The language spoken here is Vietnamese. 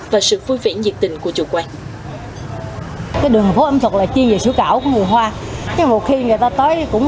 và sự vui vẻ nhiệt tình của chủ quán